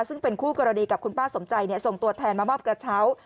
ซึ่งเป็นคู่กรณีกับคุณป้าสมใจส่งตัวแทนมามอบกระเช้า